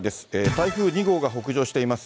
台風２号が北上しています。